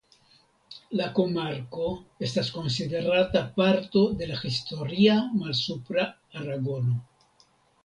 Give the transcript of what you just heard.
La komarko estas konsiderata parto de la Historia Malsupra Aragono.